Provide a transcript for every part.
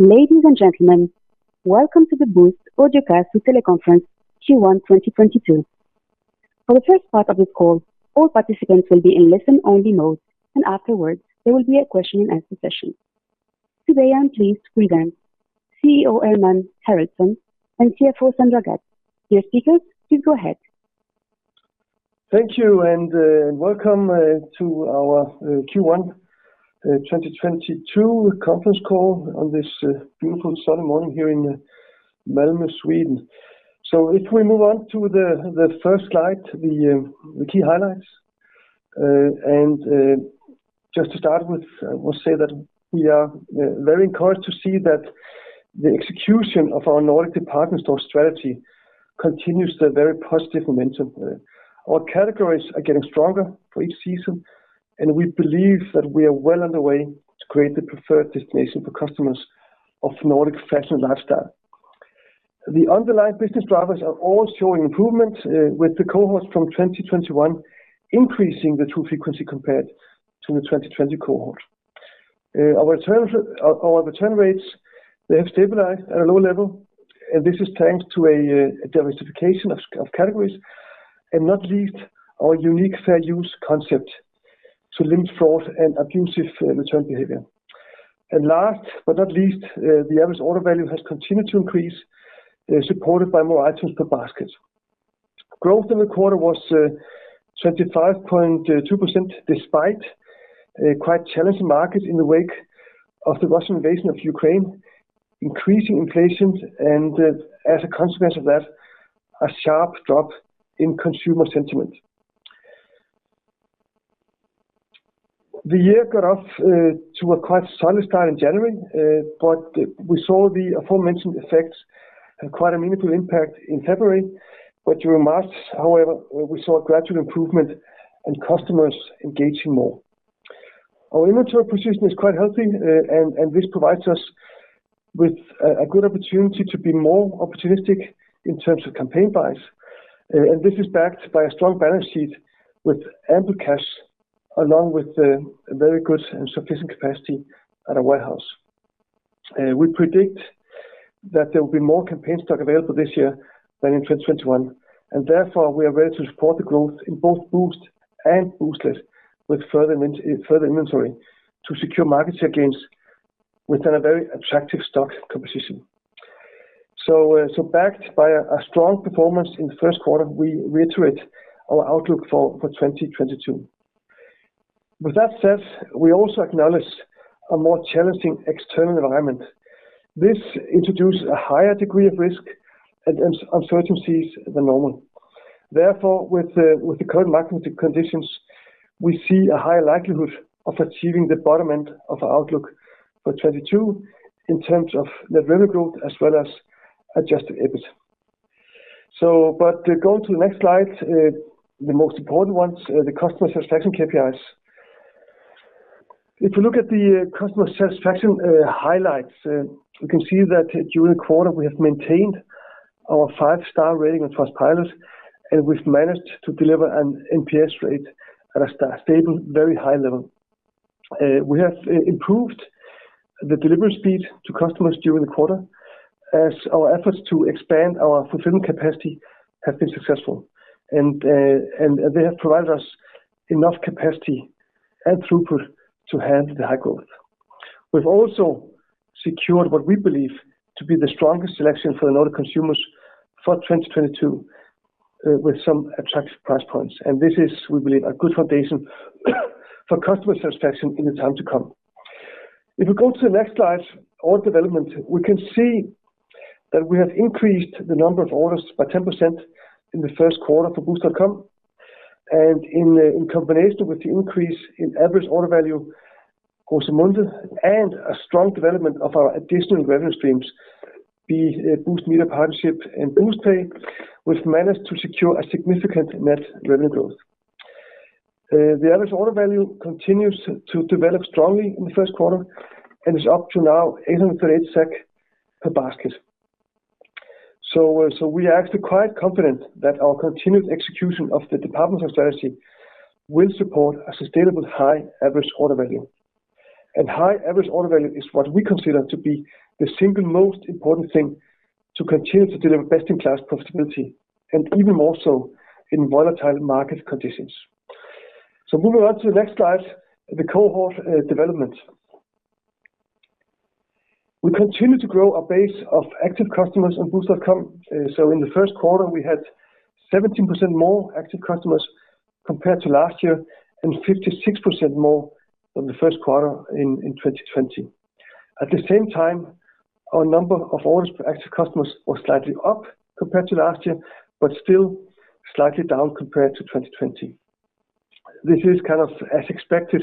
Ladies and gentlemen, welcome to the Boozt Audiocast and Teleconference Q1 2022. For the first part of this call, all participants will be in listen-only mode, and afterwards, there will be a question and answer session. Today, I'm pleased to welcome CEO Hermann Haraldsson and CFO Sandra Gadd. Dear speakers, please go ahead. Thank you, and welcome to our Q1 2022 conference call on this beautiful sunny morning here in Malmö, Sweden. If we move on to the first slide, the key highlights. Just to start with, I will say that we are very encouraged to see that the execution of our Nordic department store strategy continues the very positive momentum. Our categories are getting stronger for each season, and we believe that we are well on the way to create the preferred destination for customers of Nordic fashion lifestyle. The underlying business drivers are all showing improvement, with the cohorts from 2021 increasing the true frequency compared to the 2020 cohort. Our return rates have stabilized at a low level, and this is thanks to a diversification of categories, and not least our unique fair use concept to limit fraud and abusive return behavior. Last but not least, the average order value has continued to increase, supported by more items per basket. Growth in the quarter was 25.2%, despite a quite challenging market in the wake of the Russian invasion of Ukraine, increasing inflation and, as a consequence of that, a sharp drop in consumer sentiment. The year got off to a quite solid start in January, but we saw the aforementioned effects had quite a meaningful impact in February. During March, however, we saw a gradual improvement and customers engaging more. Our inventory position is quite healthy, and this provides us with a good opportunity to be more opportunistic in terms of campaign buys. This is backed by a strong balance sheet with ample cash, along with a very good and sufficient capacity at our warehouse. We predict that there will be more campaign stock available this year than in 2021, and therefore, we are ready to support the growth in both Boozt and Booztlet with further inventory to secure market share gains within a very attractive stock composition. Backed by a strong performance in the first quarter, we reiterate our outlook for 2022. With that said, we also acknowledge a more challenging external environment. This introduces a higher degree of risk and uncertainties than normal. Therefore, with the current market conditions, we see a high likelihood of achieving the bottom end of our outlook for 2022 in terms of net revenue growth as well as Adjusted EBIT. But going to the next slide, the most important ones, the customer satisfaction KPIs. If you look at the customer satisfaction highlights, you can see that during the quarter we have maintained our five-star rating on Trustpilot, and we've managed to deliver an NPS rate at a stable, very high level. We have improved the delivery speed to customers during the quarter as our efforts to expand our fulfillment capacity have been successful and they have provided us enough capacity and throughput to handle the high growth. We've also secured what we believe to be the strongest selection for the Nordic consumers for 2022, with some attractive price points. This is, we believe, a good foundation for customer satisfaction in the time to come. If we go to the next slide, order development, we can see that we have increased the number of orders by 10% in the first quarter for Boozt.com. In combination with the increase in average order value gross amount and a strong development of our additional revenue streams, be it Boozt Media Partnership and BooztPay, we've managed to secure a significant net revenue growth. The average order value continues to develop strongly in the first quarter and is up to now 838 per basket. We are actually quite confident that our continued execution of the department store strategy will support a sustainable high average order value. High average order value is what we consider to be the single most important thing to continue to deliver best-in-class profitability and even more so in volatile market conditions. Moving on to the next slide, the cohort development. We continue to grow our base of active customers on Boozt.com. In the first quarter, we had 17% more active customers compared to last year and 56% more than the first quarter in 2020. At the same time, our number of orders per active customers was slightly up compared to last year, but still slightly down compared to 2020. This is kind of as expected,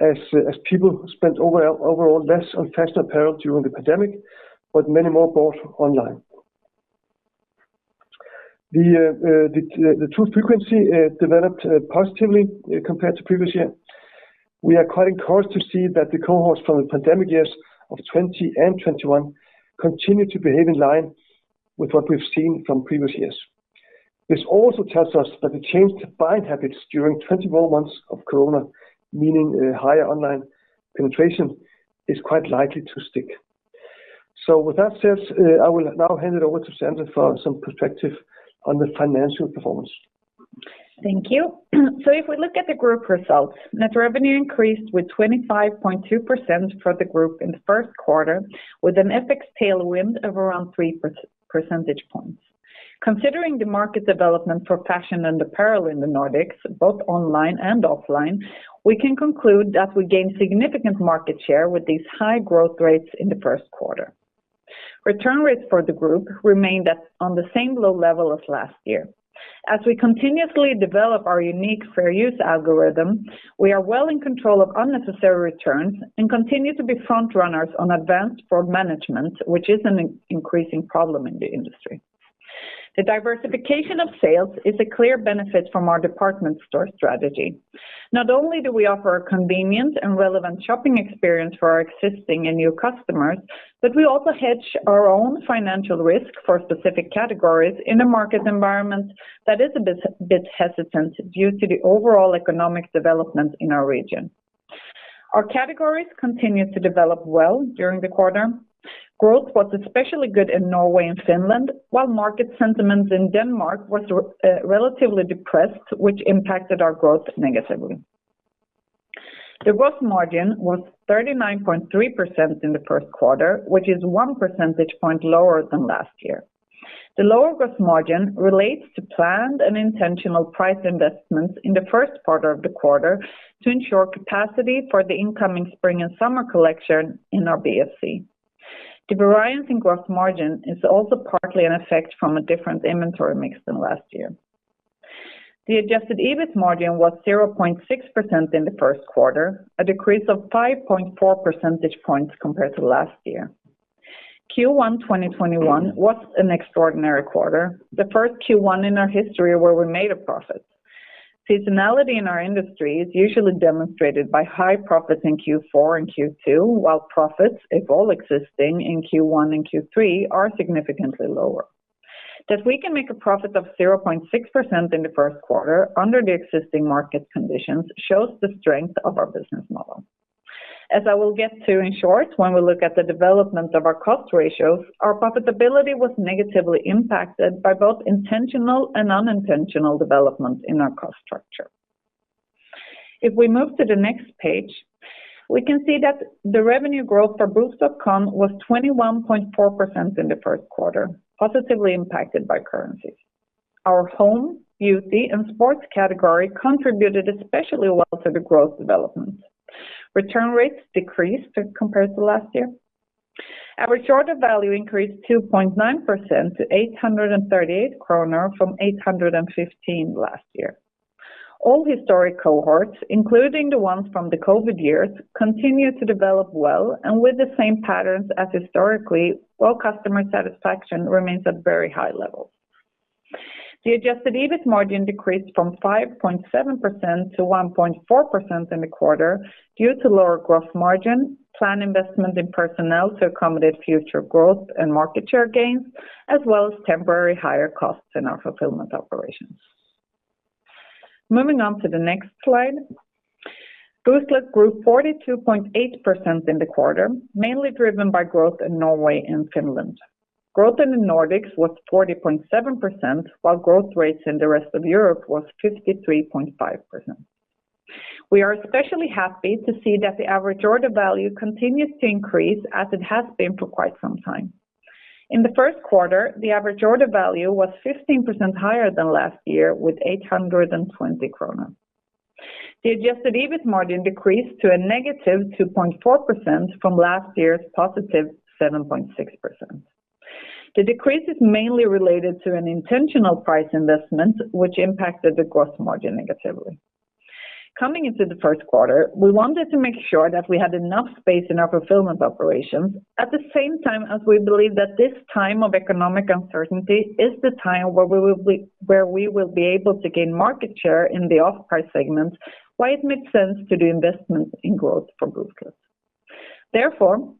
as people spent overall less on fashion apparel during the pandemic, but many more bought online. The true frequency developed positively compared to previous year. We are quite encouraged to see that the cohorts from the pandemic years of 2020 and 2021 continue to behave in line with what we've seen from previous years. This also tells us that the changed buying habits during 24 months of corona, meaning a higher online penetration, is quite likely to stick. With that said, I will now hand it over to Sandra for some perspective on the financial performance. Thank you. If we look at the group results, net revenue increased with 25.2% for the group in the first quarter, with an FX tailwind of around 3 percentage points. Considering the market development for fashion and apparel in the Nordics, both online and offline, we can conclude that we gained significant market share with these high growth rates in the first quarter. Return rates for the group remained on the same low level as last year. As we continuously develop our unique fair use algorithm, we are well in control of unnecessary returns and continue to be front runners on advanced fraud management, which is an increasing problem in the industry. The diversification of sales is a clear benefit from our department store strategy. Not only do we offer a convenient and relevant shopping experience for our existing and new customers, but we also hedge our own financial risk for specific categories in a market environment that is a bit hesitant due to the overall economic development in our region. Our categories continued to develop well during the quarter. Growth was especially good in Norway and Finland, while market sentiment in Denmark was relatively depressed, which impacted our growth negatively. The gross margin was 39.3% in the first quarter, which is one percentage point lower than last year. The lower gross margin relates to planned and intentional price investments in the first part of the quarter to ensure capacity for the incoming spring and summer collection in our BFC. The variance in gross margin is also partly an effect from a different inventory mix than last year. The Adjusted EBIT margin was 0.6% in the first quarter, a decrease of 5.4 percentage points compared to last year. Q1 2021 was an extraordinary quarter, the first Q1 in our history where we made a profit. Seasonality in our industry is usually demonstrated by high profits in Q4 and Q2, while profits, if any exist in Q1 and Q3, are significantly lower. That we can make a profit of 0.6% in the first quarter under the existing market conditions shows the strength of our business model. As I will get to in short, when we look at the development of our cost ratios, our profitability was negatively impacted by both intentional and unintentional developments in our cost structure. If we move to the next page, we can see that the revenue growth for Boozt.com was 21.4% in the first quarter, positively impacted by currencies. Our home, beauty, and sports category contributed especially well to the growth development. Return rates decreased compared to last year. Average order value increased 2.9% to 838 kronor from 815 last year. All historic cohorts, including the ones from the COVID years, continued to develop well and with the same patterns as historically, while customer satisfaction remains at very high levels. The Adjusted EBIT margin decreased from 5.7%-1.4% in the quarter due to lower gross margin, planned investment in personnel to accommodate future growth and market share gains, as well as temporary higher costs in our fulfillment operations. Moving on to the next slide. Booztlet grew 42.8% in the quarter, mainly driven by growth in Norway and Finland. Growth in the Nordics was 40.7%, while growth rates in the rest of Europe was 53.5%. We are especially happy to see that the average order value continues to increase as it has been for quite some time. In the first quarter, the average order value was 15% higher than last year with 820 kronor. The Adjusted EBIT margin decreased to a -2.4% from last year's +7.6%. The decrease is mainly related to an intentional price investment which impacted the gross margin negatively. Coming into the first quarter, we wanted to make sure that we had enough space in our fulfillment operations. At the same time, as we believe that this time of economic uncertainty is the time where we will be able to gain market share in the off-price segments, why it makes sense to do investment in growth for Booztlet. Therefore,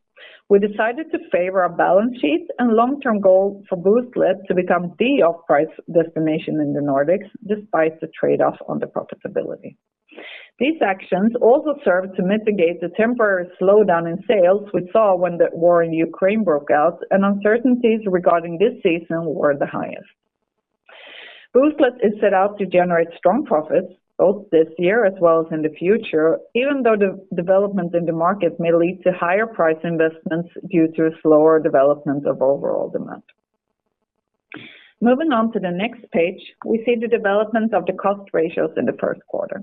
we decided to favor our balance sheet and long-term goal for Booztlet to become the off-price destination in the Nordics despite the trade-off on the profitability. These actions also serve to mitigate the temporary slowdown in sales we saw when the war in Ukraine broke out and uncertainties regarding this season were the highest. Booztlet is set out to generate strong profits both this year as well as in the future, even though the development in the market may lead to higher price investments due to slower development of overall demand. Moving on to the next page, we see the development of the cost ratios in the first quarter.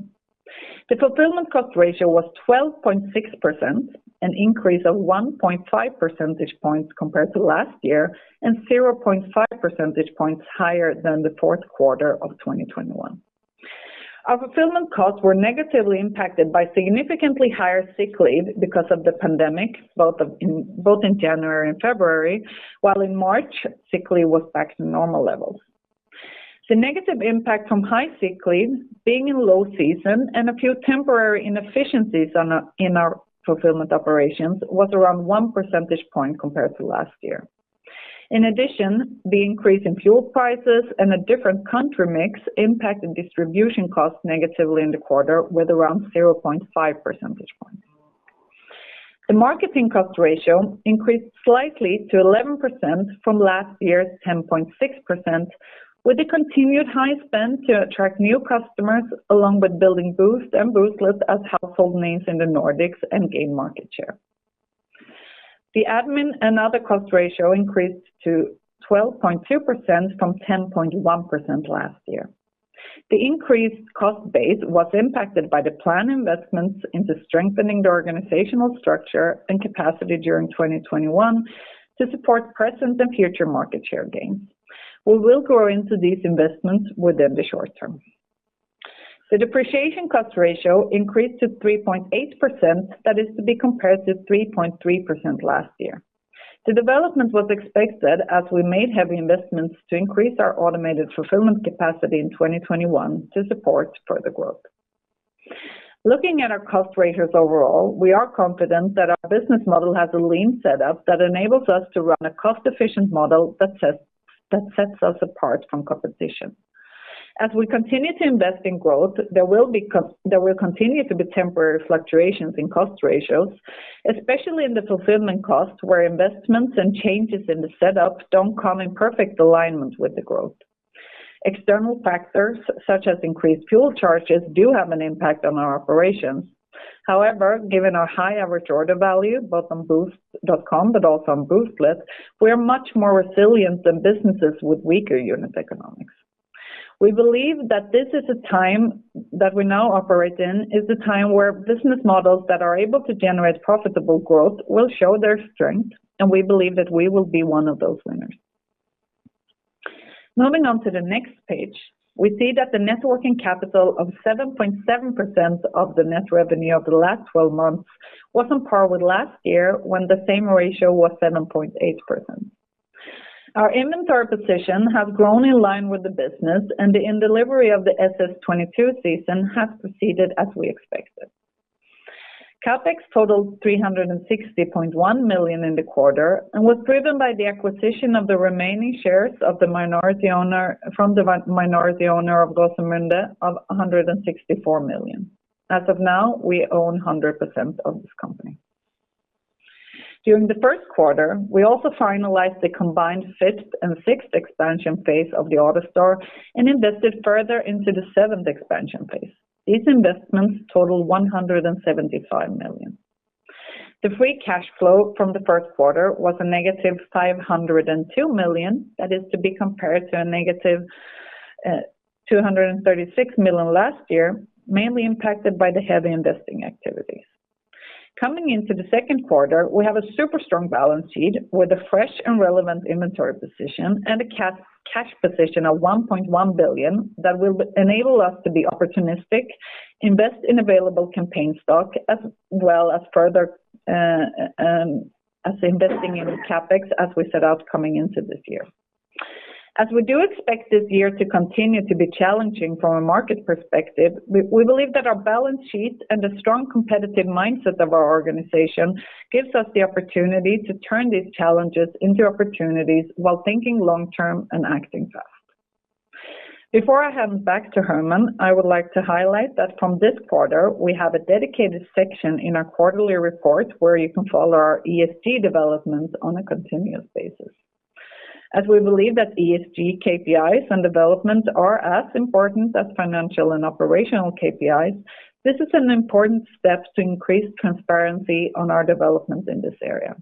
The fulfillment cost ratio was 12.6%, an increase of 1.5 percentage points compared to last year, and 0.5 percentage points higher than the fourth quarter of 2021. Our fulfillment costs were negatively impacted by significantly higher sick leave because of the pandemic, both in January and February, while in March, sick leave was back to normal levels. The negative impact from high sick leave being in low season and a few temporary inefficiencies in our fulfillment operations was around 1 percentage point compared to last year. In addition, the increase in fuel prices and a different country mix impacted distribution costs negatively in the quarter with around 0.5 percentage points. The marketing cost ratio increased slightly to 11% from last year's 10.6% with the continued high spend to attract new customers along with building Boozt and Booztlet as household names in the Nordics and gain market share. The admin and other cost ratio increased to 12.2% from 10.1% last year. The increased cost base was impacted by the planned investments into strengthening the organizational structure and capacity during 2021 to support present and future market share gains. We will grow into these investments within the short term. The depreciation cost ratio increased to 3.8%, that is to be compared to 3.3% last year. The development was expected as we made heavy investments to increase our automated fulfillment capacity in 2021 to support further growth. Looking at our cost ratios overall, we are confident that our business model has a lean setup that enables us to run a cost-efficient model that sets us apart from competition. As we continue to invest in growth, there will continue to be temporary fluctuations in cost ratios, especially in the fulfillment costs, where investments and changes in the setup don't come in perfect alignment with the growth. External factors such as increased fuel charges do have an impact on our operations. However, given our high average order value, both on Boozt.com but also on Booztlet, we are much more resilient than businesses with weaker unit economics. We believe that this is a time that we now operate in, is the time where business models that are able to generate profitable growth will show their strength, and we believe that we will be one of those winners. Moving on to the next page, we see that the net working capital of 7.7% of the net revenue over the last 12 months was on par with last year when the same ratio was 7.8%. Our inventory position has grown in line with the business, and the delivery of the SS22 season has proceeded as we expected. CapEx totaled 360.1 million in the quarter and was driven by the acquisition of the remaining shares from the minority owner of Rosemunde of 164 million. As of now, we own 100% of this company. During the first quarter, we also finalized the combined fifth and sixth expansion phase of the AutoStore and invested further into the seventh expansion phase. These investments totaled 175 million. The free cash flow from the first quarter was -502 million. That is to be compared to -236 million last year, mainly impacted by the heavy investing activities. Coming into the second quarter, we have a super strong balance sheet with a fresh and relevant inventory position and a cash position of 1.1 billion that will enable us to be opportunistic, invest in available campaign stock, as well as further investing in CapEx as we set out coming into this year. As we do expect this year to continue to be challenging from a market perspective, we believe that our balance sheet and the strong competitive mindset of our organization gives us the opportunity to turn these challenges into opportunities while thinking long term and acting fast. Before I hand back to Hermann, I would like to highlight that from this quarter, we have a dedicated section in our quarterly report where you can follow our ESG development on a continuous basis. As we believe that ESG, KPIs and development are as important as financial and operational KPIs, this is an important step to increase transparency on our development in this area.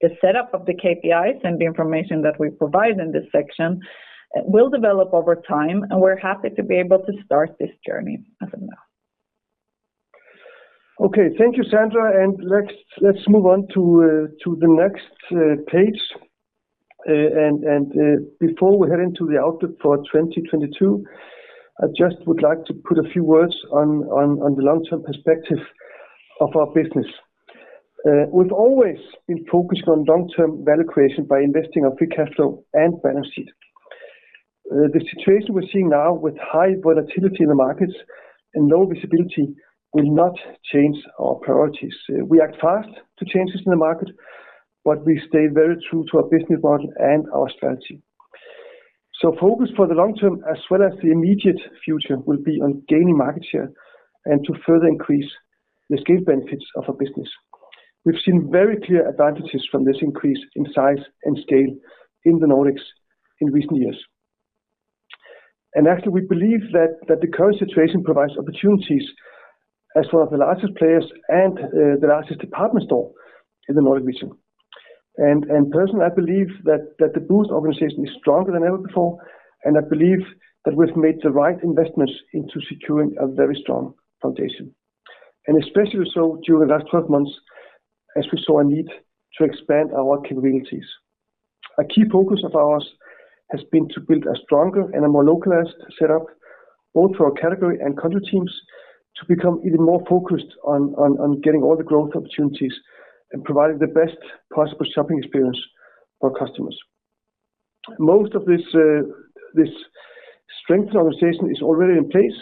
The setup of the KPIs and the information that we provide in this section will develop over time, and we're happy to be able to start this journey as of now. Okay. Thank you, Sandra, and let's move on to the next page. Before we head into the outlook for 2022, I just would like to put a few words on the long-term perspective of our business. We've always been focused on long-term value creation by investing our free cash flow and balance sheet. The situation we're seeing now with high volatility in the markets and no visibility will not change our priorities. We act fast to changes in the market, but we stay very true to our business model and our strategy. Focus for the long term as well as the immediate future will be on gaining market share and to further increase the scale benefits of a business. We've seen very clear advantages from this increase in size and scale in the Nordics in recent years. Actually, we believe that the current situation provides opportunities as one of the largest players and the largest department store in the Nordic region. Personally, I believe that the Boozt organization is stronger than ever before, and I believe that we've made the right investments into securing a very strong foundation, and especially so during the last 12 months as we saw a need to expand our capabilities. A key focus of ours has been to build a stronger and a more localized set up both for our category and country teams to become even more focused on getting all the growth opportunities and providing the best possible shopping experience for customers. Most of this strong organization is already in place,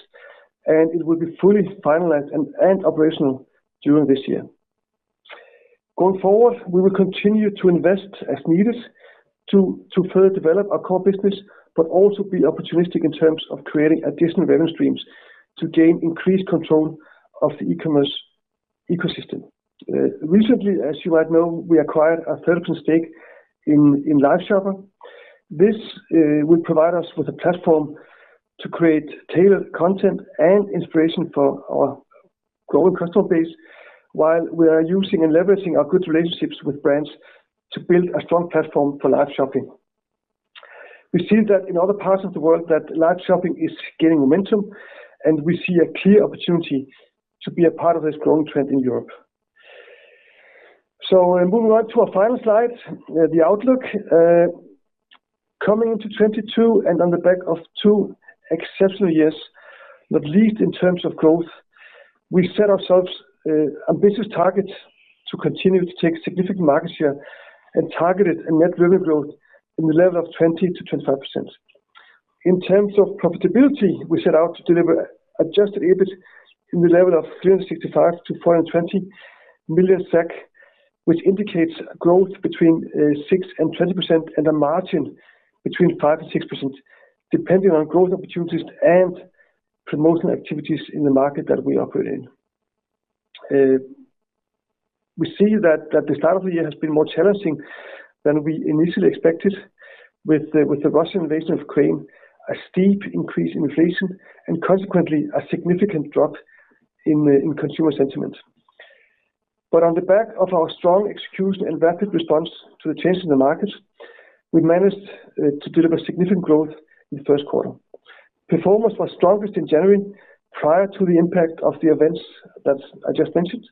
and it will be fully finalized and operational during this year. Going forward, we will continue to invest as needed to further develop our core business, but also be opportunistic in terms of creating additional revenue streams to gain increased control of the e-commerce ecosystem. Recently, as you might know, we acquired a third stake in LiveShopper. This will provide us with a platform to create tailored content and inspiration for our global customer base while we are using and leveraging our good relationships with brands to build a strong platform for live shopping. We see that in other parts of the world that live shopping is gaining momentum, and we see a clear opportunity to be a part of this growing trend in Europe. In moving on to our final slide, the outlook. Coming into 2022 and on the back of two exceptional years, not least in terms of growth, we set ourselves ambitious targets to continue to take significant market share and targeted a net revenue growth in the level of 20%-25%. In terms of profitability, we set out to deliver Adjusted EBIT in the level of 365 million-420 million SEK, which indicates growth between 6%-20% and a margin between 5%-6%, depending on growth opportunities and promotional activities in the market that we operate in. We see that the start of the year has been more challenging than we initially expected with the Russian invasion of Ukraine, a steep increase in inflation, and consequently a significant drop in consumer sentiment. On the back of our strong execution and rapid response to the change in the market, we managed to deliver significant growth in the first quarter. Performance was strongest in January prior to the impact of the events that I just mentioned.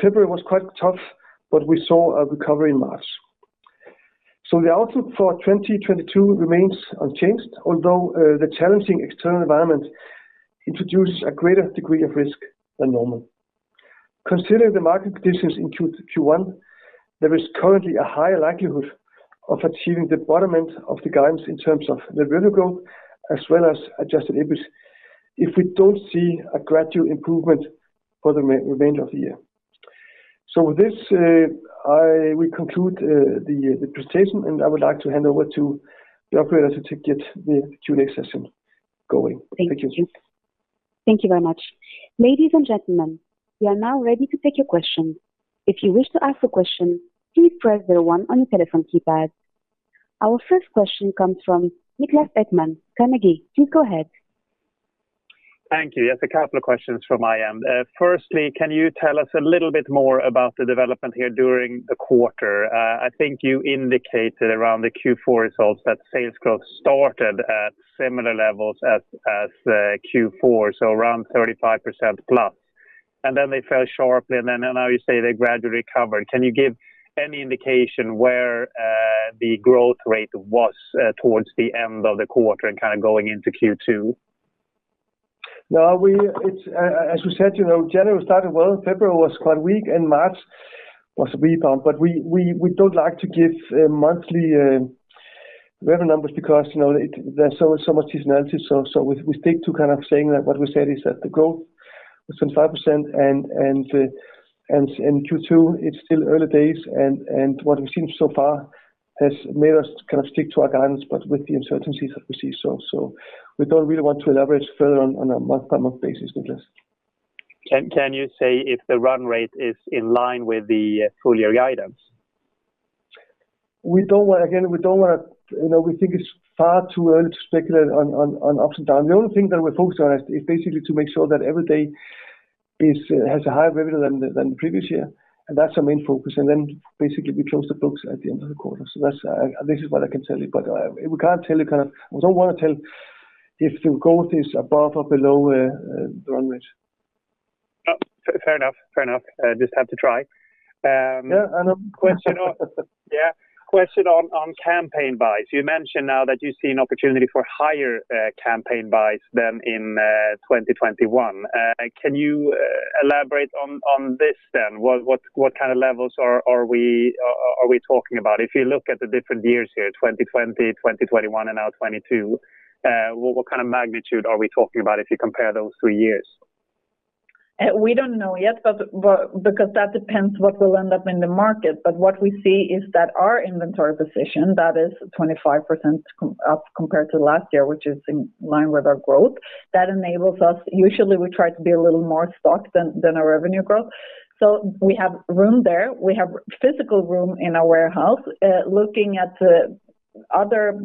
February was quite tough, but we saw a recovery in March. The outlook for 2022 remains unchanged, although the challenging external environment introduces a greater degree of risk than normal. Considering the market conditions in Q1, there is currently a high likelihood of achieving the bottom end of the guidance in terms of revenue growth as well as Adjusted EBIT if we don't see a gradual improvement for the remainder of the year. With this, I will conclude the presentation, and I would like to hand over to the operator to get the Q&A session going. Thank you. Thank you. Thank you very much. Ladies and gentlemen, we are now ready to take your questions. If you wish to ask a question, please press the one on your telephone keypad. Our first question comes from Niklas Ekman, Carnegie. Please go ahead. Thank you. Yes, a couple of questions from my end. Firstly, can you tell us a little bit more about the development here during the quarter? I think you indicated around the Q4 results that sales growth started at similar levels as Q4, so around 35%+, and then they fell sharply and then now you say they gradually recovered. Can you give any indication where the growth rate was towards the end of the quarter and kind of going into Q2? No. It's as we said, you know, January started well, February was quite weak, and March was a rebound. We don't like to give monthly revenue numbers because, you know, there's so much seasonality. We stick to kind of saying that what we said is that the growth was 25% and in Q2, it's still early days and what we've seen so far has made us kind of stick to our guidance, but with the uncertainties that we see. We don't really want to leverage further on a month-by-month basis with this. Can you say if the run rate is in line with the full year guidance? Again, we don't wanna, you know, we think it's far too early to speculate on ups and downs. The only thing that we're focused on is basically to make sure that every day has a higher revenue than the previous year, and that's our main focus. Basically we close the books at the end of the quarter. This is what I can tell you. We can't tell you. We don't wanna tell if the growth is above or below the run rate. Oh, fair enough. Just have to try. Yeah. I know. Question on campaign buys. You mentioned now that you see an opportunity for higher campaign buys than in 2021. Can you elaborate on this then? What kind of levels are we talking about? If you look at the different years here, 2020, 2021, and now 2022, what kind of magnitude are we talking about if you compare those three years? We don't know yet, because that depends what will end up in the market. What we see is that our inventory position, that is 25% up compared to last year, which is in line with our growth, that enables us. Usually, we try to be a little more stocked than our revenue growth. We have room there. We have physical room in our warehouse. Looking at the other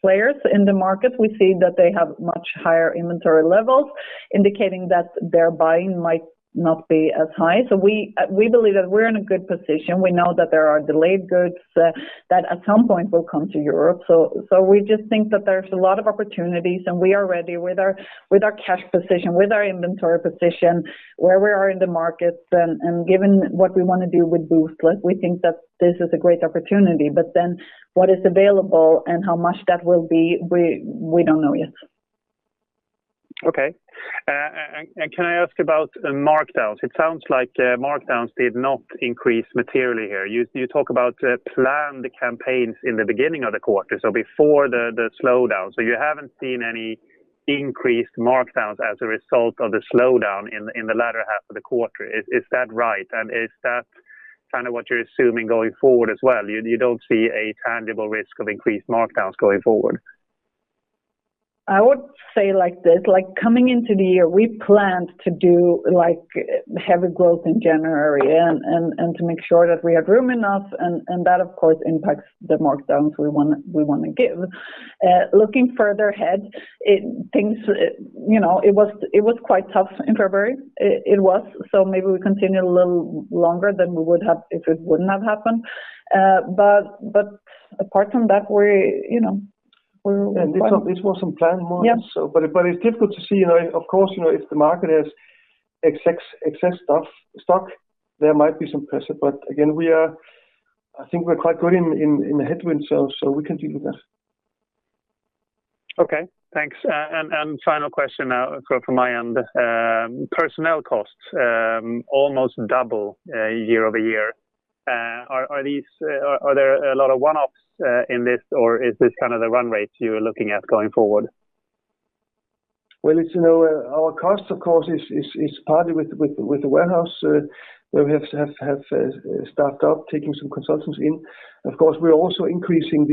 players in the market, we see that they have much higher inventory levels, indicating that their buying might not be as high. We believe that we're in a good position. We know that there are delayed goods, that at some point will come to Europe. We just think that there's a lot of opportunities, and we are ready with our cash position, with our inventory position, where we are in the markets. Given what we wanna do with Booztlet, we think that this is a great opportunity. What is available and how much that will be, we don't know yet. Okay. Can I ask about markdowns? It sounds like markdowns did not increase materially here. You talk about planned campaigns in the beginning of the quarter, so before the slowdown. You haven't seen any increased markdowns as a result of the slowdown in the latter half of the quarter. Is that right? Is that kind of what you're assuming going forward as well, you don't see a tangible risk of increased markdowns going forward? I would say like this, like coming into the year, we planned to do like heavy growth in January and to make sure that we had room enough and that of course impacts the markdowns we wanna give. Looking further ahead, things, you know, it was quite tough in February. It was. Maybe we continued a little longer than we would have if it wouldn't have happened. But apart from that we're, you know, we're- This was some planned ones. Yep. It's difficult to see, you know. Of course, you know, if the market has excess stock, there might be some pressure. Again, I think we're quite good in the headwind, so we can deal with that. Okay. Thanks. Final question now from my end. Personnel costs almost double YoY. Are there a lot of one-offs in this, or is this kind of the run rate you're looking at going forward? Well, it's, you know, our cost of course is partly with the warehouse, where we have staffed up, taking some consultants in. Of course, we're also increasing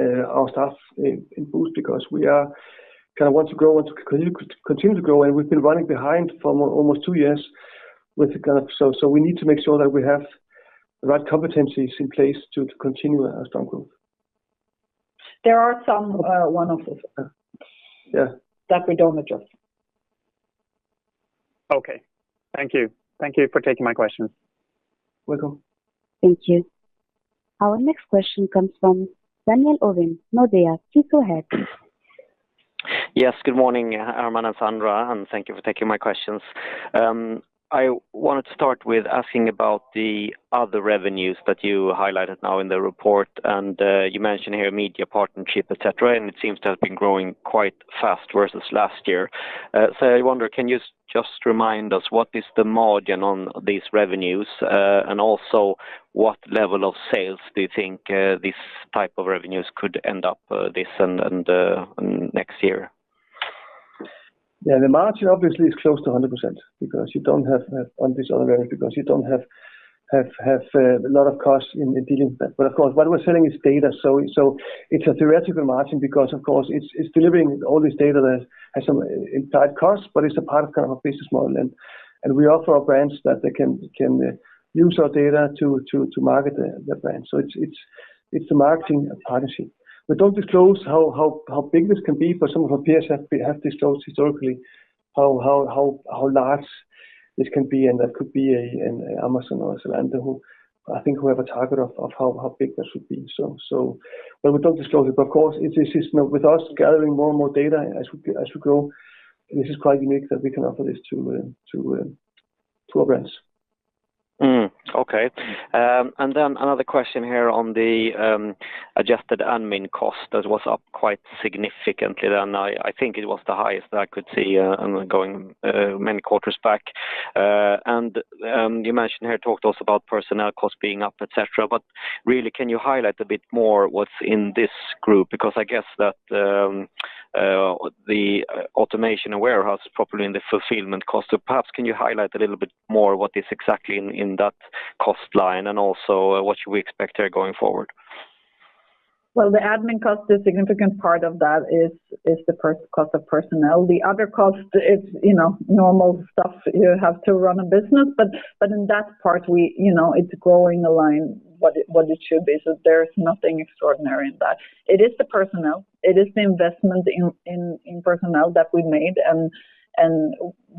our staff in Boozt because we kinda want to grow and to continue to grow, and we've been running behind for almost two years. We need to make sure that we have the right competencies in place to continue our strong growth. There are some one-offs as well. Yeah. That we don't adjust. Okay. Thank you. Thank you for taking my questions. Welcome. Thank you. Our next question comes from Daniel Ovin, Nordea. Please go ahead. Yes. Good morning, Hermann and Sandra, and thank you for taking my questions. I wanted to start with asking about the other revenues that you highlighted now in the report. You mentioned here media partnership, et cetera, and it seems to have been growing quite fast versus last year. So I wonder, can you just remind us what is the margin on these revenues, and also what level of sales do you think this type of revenues could end up this year and next year? Yeah. The margin obviously is close to 100% because you don't have a lot of costs in dealing with that. Of course, what we're selling is data, so it's a theoretical margin because of course it's delivering all this data that has some inherent cost, but it's a part of kind of a business model. We offer our brands that they can use our data to market their brand. It's a marketing partnership. We don't disclose how big this can be, but some of our peers have disclosed historically how large this can be, and that could be an Amazon or a Zalando who I think have a target of how big that should be. We don't disclose it. Of course it's you know with us gathering more and more data as we grow, this is quite unique that we can offer this to our brands. Okay. Then another question here on the adjusted admin cost that was up quite significantly than I think it was the highest I could see going many quarters back. You mentioned here, talked also about personnel costs being up, et cetera. Really, can you highlight a bit more what's in this group? Because I guess that the automation and warehouse probably in the fulfillment cost. Perhaps can you highlight a little bit more what is exactly in that cost line, and also what should we expect here going forward? Well, the admin cost, the significant part of that is the cost of personnel. The other cost is, you know, normal stuff you have to run a business. In that part you know, it's growing in line with what it should be. There is nothing extraordinary in that. It is the personnel, it is the investment in personnel that we made and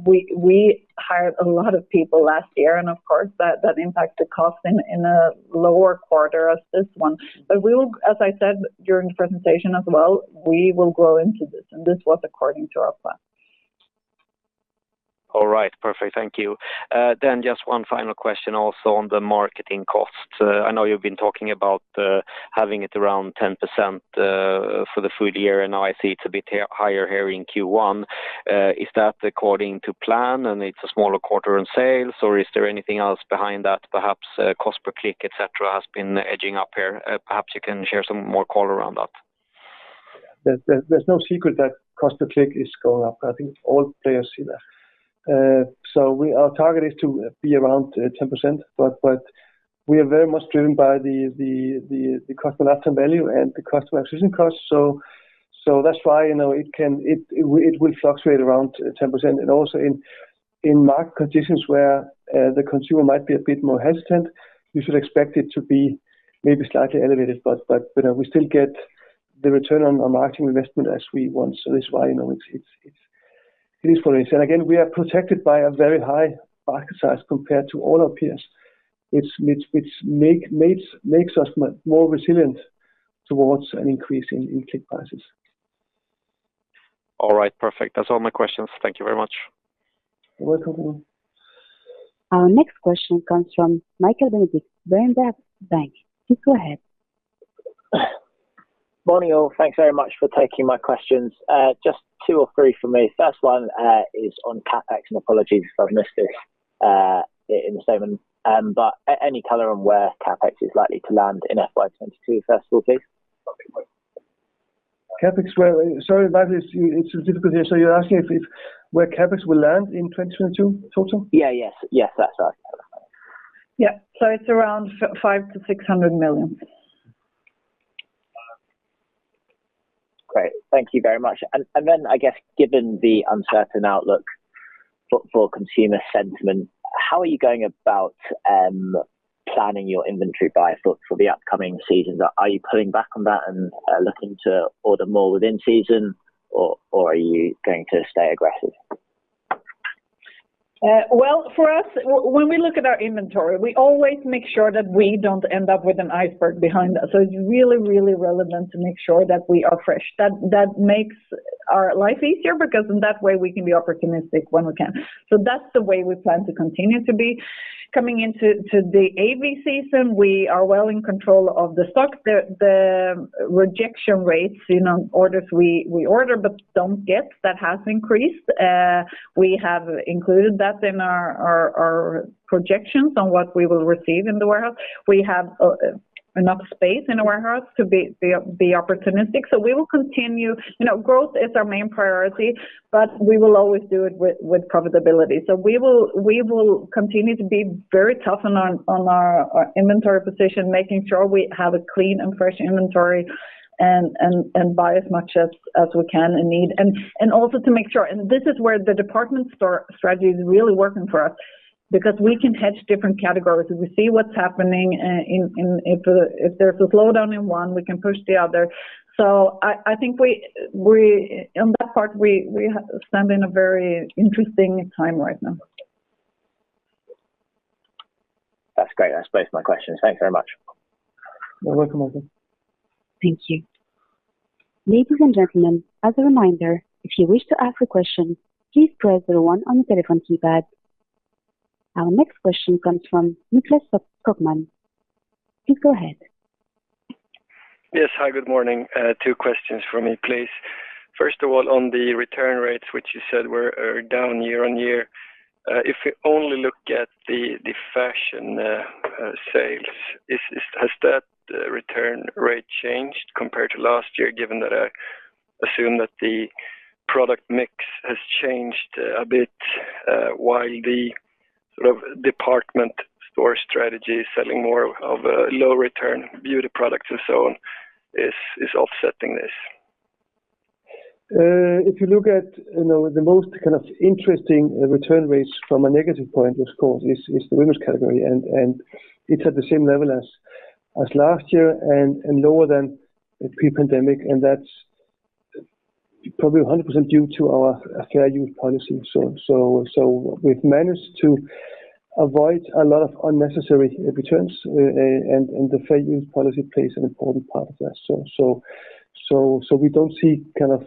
we hired a lot of people last year, and of course that impacted cost in a lower quarter as this one. As I said during the presentation as well, we will grow into this, and this was according to our plan. All right. Perfect. Thank you. Just one final question also on the marketing cost. I know you've been talking about having it around 10% for the full year, and now I see it's a bit higher here in Q1. Is that according to plan and it's a smaller quarter in sales, or is there anything else behind that, perhaps cost per click, et cetera, has been edging up here? Perhaps you can share some more color around that. There's no secret that cost per click is going up. I think all players see that. Our target is to be around 10%, but we are very much driven by the cost of lifetime value and the cost of acquisition cost. That's why, you know, it will fluctuate around 10%. Also in market conditions where the consumer might be a bit more hesitant, you should expect it to be maybe slightly elevated. You know, we still get the return on marketing investment as we want. That's why, you know, it is fluctuating. Again, we are protected by a very high basket size compared to all our peers, which makes us more resilient towards an increase in click prices. All right. Perfect. That's all my questions. Thank you very much. You're welcome. Our next question comes from Michael Benedict, Berenberg Bank. Please go ahead. Morning, all. Thanks very much for taking my questions. Just two or three from me. First one is on CapEx, and apologies if I've missed this, in the statement, but any color on where CapEx is likely to land in FY 2022, first of all, please? CapEx, well, sorry about this. It's difficult here. You're asking if where CapEx will land in 2022 total? Yeah. Yes. Yes, that's right. It's around SEK 500 million-SEK 600 million. Great. Thank you very much. Then I guess given the uncertain outlook for consumer sentiment, how are you going about planning your inventory buy for the upcoming season? Are you pulling back on that and looking to order more within season or are you going to stay aggressive? Well, for us, when we look at our inventory, we always make sure that we don't end up with an iceberg behind us. It's really relevant to make sure that we are fresh. That makes our life easier because in that way we can be opportunistic when we can. That's the way we plan to continue to be. Coming into the AW season, we are well in control of the stock. The rejection rates, you know, orders we order but don't get, that has increased. We have included that in our projections on what we will receive in the warehouse. We have enough space in our warehouse to be opportunistic. We will continue. You know, growth is our main priority, but we will always do it with profitability. We will continue to be very tough on our inventory position, making sure we have a clean and fresh inventory and buy as much as we can and need. Also to make sure, this is where the department store strategy is really working for us because we can hedge different categories. We see what's happening and if there's a slowdown in one, we can push the other. I think we stand in a very interesting time right now. That's great. That's both my questions. Thank you very much. You're welcome, Michael. Thank you. Ladies and gentlemen, as a reminder, if you wish to ask a question, please press zero one on the telephone keypad. Our next question comes from Niklas Stoeckmann. Please go ahead. Yes. Hi, good morning. Two questions from me, please. First of all, on the return rates, which you said are down YoY, if you only look at the fashion sales, has that return rate changed compared to last year, given that assume that the product mix has changed a bit, while the sort of department store strategy is selling more of a low return beauty products and so on is offsetting this? If you look at, you know, the most kind of interesting return rates from a negative point, of course, is the women's category and it's at the same level as last year and lower than pre-pandemic, and that's probably 100% due to our fair use policy. So we've managed to avoid a lot of unnecessary returns, and the fair use policy plays an important part of that. So we don't see kind of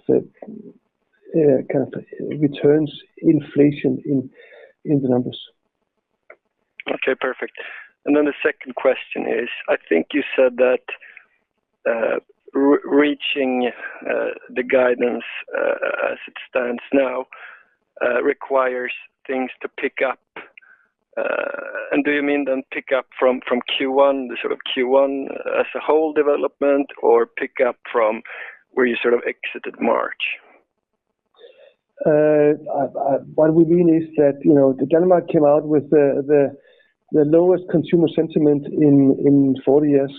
returns inflation in the numbers. Okay, perfect. The second question is, I think you said that reaching the guidance as it stands now requires things to pick up. Do you mean then pick up from Q1, the sort of Q1 as a whole development or pick up from where you sort of exited March? What we mean is that, you know, Denmark came out with the lowest consumer sentiment in 40 years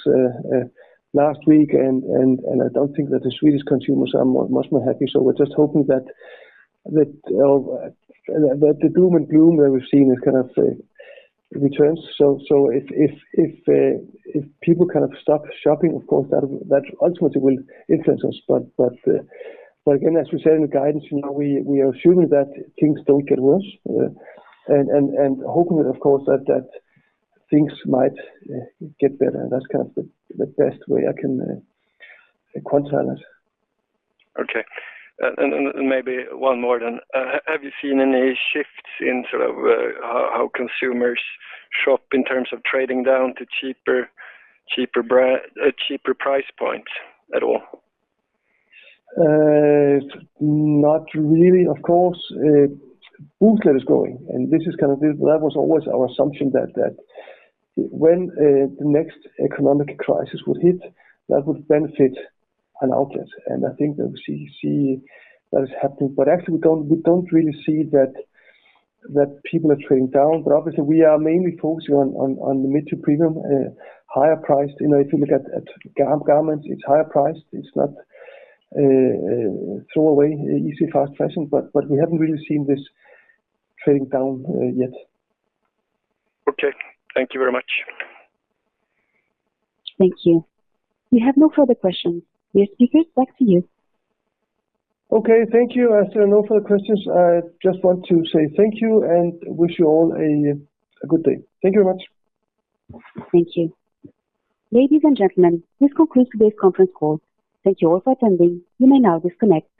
last week and I don't think that the Swedish consumers are much more happy. We're just hoping that the doom and gloom that we've seen is kind of turns. If people kind of stop shopping, of course that ultimately will influence us. Again, as we said in the guidance, you know, we are assuming that things don't get worse and hoping of course that things might get better. That's kind of the best way I can quantify it. Okay. Maybe one more then. Have you seen any shifts in sort of how consumers shop in terms of trading down to cheaper price points at all? Not really. Of course, outlet is growing, and this is kind of that was always our assumption that when the next economic crisis would hit, that would benefit an outlet. I think that we see that is happening. Actually we don't really see that people are trading down. Obviously we are mainly focusing on the mid to premium higher priced. You know, if you look at our garments, it's higher priced. It's not throw away easy, fast fashion. We haven't really seen this trading down yet. Okay. Thank you very much. Thank you. We have no further questions. Your speakers are back to you. Okay. Thank you. As there are no further questions, I just want to say thank you and wish you all a good day. Thank you very much. Thank you. Ladies and gentlemen, this concludes today's conference call. Thank you all for attending. You may now disconnect.